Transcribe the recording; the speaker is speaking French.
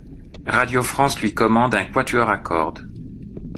Radio France lui commande un quatuor à cordes.